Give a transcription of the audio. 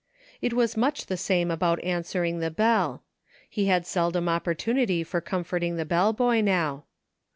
It was much the same about answering the bell. He had seldom opportunity for comforting the bell boy now.